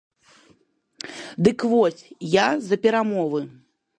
Дык вось, я за перамовы.